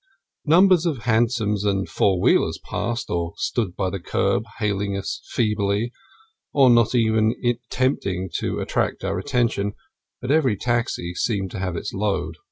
Numbers of hansoms and four wheelers passed, or stood by the curb, hailing us feebly, or not even attempting to attract our attention, but every taxi seemed to have its load.